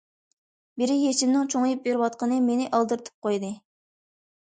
بىرى يېشىمنىڭ چوڭىيىپ بېرىۋاتقىنى مېنى ئالدىرىتىپ قويدى.